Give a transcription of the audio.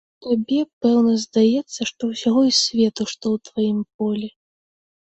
Табе, пэўна, здаецца, што ўсяго і свету, што ў тваім полі.